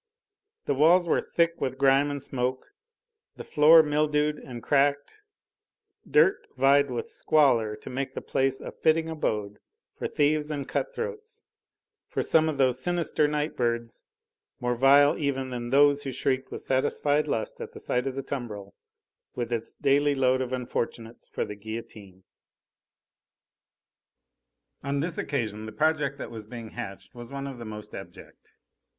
The walls were thick with grime and smoke, the floor mildewed and cracked; dirt vied with squalor to make the place a fitting abode for thieves and cut throats, for some of those sinister night birds, more vile even than those who shrieked with satisfied lust at sight of the tumbril, with its daily load of unfortunates for the guillotine. On this occasion the project that was being hatched was one of the most abject.